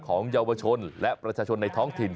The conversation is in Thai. ของเยาวชนและประชาชนในท้องถิ่น